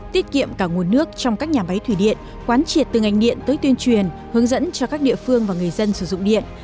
tiết kiệm cả nguồn nước trong các nhà máy thủy điện quán triệt từ ngành điện tới tuyên truyền hướng dẫn cho các địa phương và người dân sử dụng điện